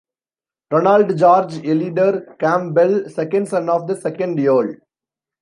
Ronald George Elidor Campbell, second son of the second Earl.